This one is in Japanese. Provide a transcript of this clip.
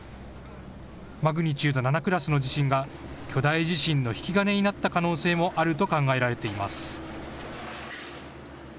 マグニチュード７クラスの地震が巨大地震の引き金になった可能性もあると考えられています。